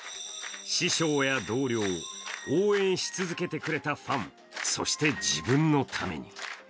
師匠や同僚、応援し続けてくれたファン、そして自分のために。